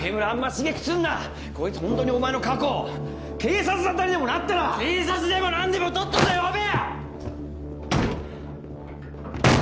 刺激すんなこいつホントにお前の過去を警察沙汰にでもなったら警察でも何でもとっとと呼べ！